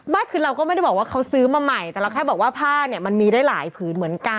ไม่คือเราก็ไม่ได้บอกว่าเขาซื้อมาใหม่แต่เราแค่บอกว่าผ้าเนี่ยมันมีได้หลายผืนเหมือนกัน